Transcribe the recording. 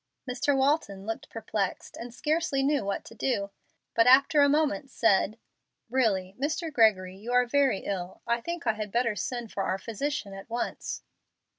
Mr. Walton looked perplexed and scarcely knew what to do, but after a moment said, "Really, Mr. Gregory, you are very ill. I think I had better send for our physician at once."